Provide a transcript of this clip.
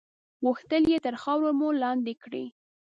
غوښتل یې تر خاورو مو لاندې کړي.